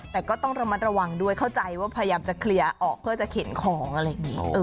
แต่ก็ต้องระมัดระวังด้วยเข้าใจว่าพยายามจะเคลียร์ออกเพื่อจะเข็นของอะไรอย่างนี้